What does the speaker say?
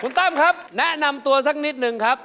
ตั้มครับแนะนำตัวสักนิดนึงครับ